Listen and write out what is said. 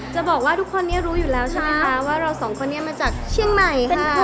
จะบอกว่าทุกคนนี้รู้อยู่แล้วใช่ไหมคะว่าเราสองคนนี้มาจากเชียงใหม่ค่ะ